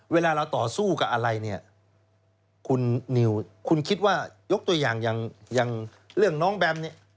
เวลาเราต่อสู้กับอะไรเนี่ยคุณนิวคุณคิดว่ายกตัวอย่างอย่างเรื่องน้องแบมเนี่ย